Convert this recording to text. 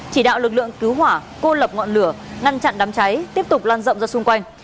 chỉ đạo lực lượng cứu hỏa cô lập ngọn lửa ngăn chặn đám cháy tiếp tục lan rộng ra xung quanh